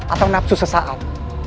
atau nafsu sesaat